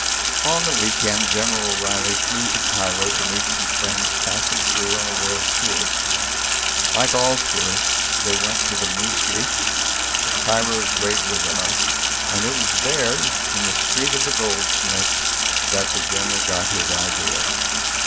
On the week end, General O'Reilly flew to Cairo to meet some friends passing through on a world tour. Like all tourists, they went to the Mouski, Cairo's great bazaar, and it was there, in the Street of the Goldsmiths, that the general got his idea.